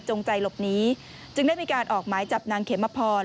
ใจหลบหนีจึงได้มีการออกหมายจับนางเขมพร